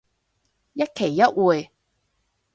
一期一會